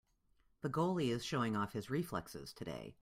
The goalie is showing off his reflexes today.